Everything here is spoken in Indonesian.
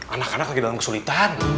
anak anak lagi dalam kesulitan